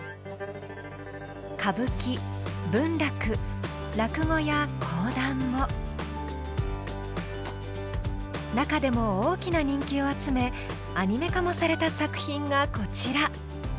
歌舞伎文楽落語や講談も中でも大きな人気を集めアニメ化もされた作品がこちら。